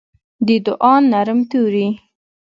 د دوعا نرم توري